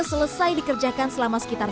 selesai dikerjakan selama sekitar